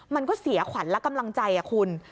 มันก็เสียขวัญและกำลังใจคุณ